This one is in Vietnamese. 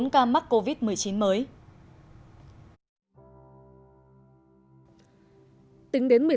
bốn ca mắc covid một mươi chín mới